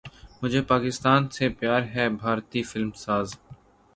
مجھے پاکستان سے پیار ہے بھارتی فلم ساز